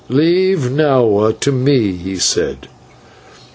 "Leave Nahua to me," he said.